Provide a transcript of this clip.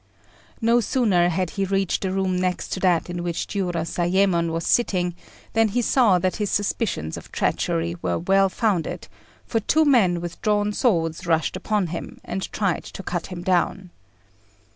] No sooner had he reached the room next to that in which Jiurozayémon was sitting than he saw that his suspicions of treachery were well founded; for two men with drawn swords rushed upon him, and tried to cut him down.